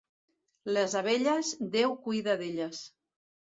Les abelles, Déu cuida d'elles.